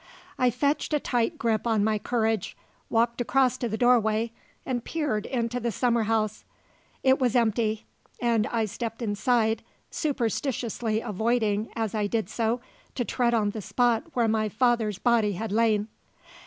I fetched a tight grip on my courage, walked across to the doorway, and peered into the summer house. It was empty, and I stepped inside superstitiously avoiding, as I did so, to tread on the spot where my father's body had lain.